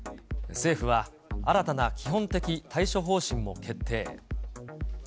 政府は新たな基本的対処方針も決定。